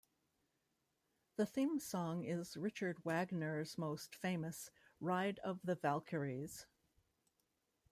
The theme song is Richard Wagner's famous "Ride of the Valkyries".